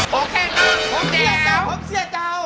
ผมเชี่ยเจ้าผมเชี่ยเจ้า